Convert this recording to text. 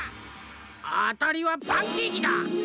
あたりはパンケーキだ！